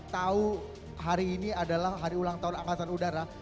tahu hari ini adalah hari ulang tahun angkatan udara